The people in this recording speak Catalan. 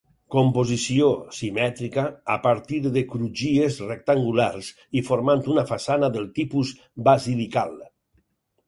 Composició simètrica a partir de crugies rectangulars i formant una façana del tipus basilical.